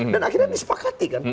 dan akhirnya disepakati kan